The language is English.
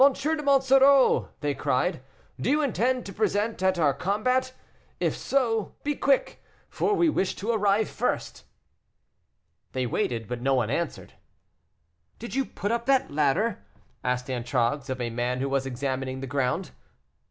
de Monsoreau," they cried, "do you intend to be present at our combat? if so, be quick, for we wish to arrive first." They waited, but no one answered. "Did you put up that ladder?" asked Antragues of a man who was examining the ground.